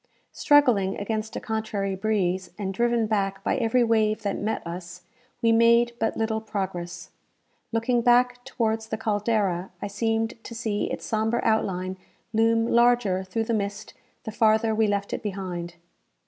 Struggling against a contrary breeze, and driven back by every wave that met us, we made but little progress. Looking back towards the "Caldera," I seemed to see its sombre outline loom larger through the mist the farther we left it behind.